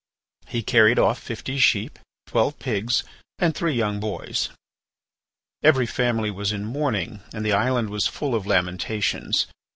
He carried off fifty sheep, twelve pigs, and three young boys. Every family was in mourning and the island was full of lamentations.